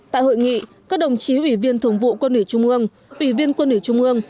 tại hội nghị các đồng chí ủy viên thường vụ quân ủy trung ương ủy viên quân ủy trung ương